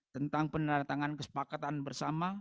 tentang penerangan kesepakatan bersama